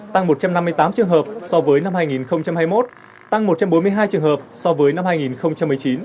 tăng một trăm năm mươi tám trường hợp so với năm hai nghìn hai mươi một tăng một trăm bốn mươi hai trường hợp so với năm hai nghìn một mươi chín